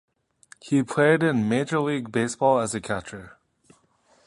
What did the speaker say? He played in Major League Baseball as a catcher.